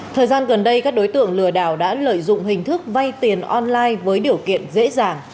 thời gian gần đây các đối tượng lừa đảo đã lợi dụng hình thức vay tiền online với điều kiện dễ dàng